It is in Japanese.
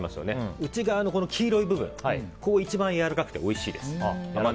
内側の黄色い部分、ここが一番やわらかくておいしいです。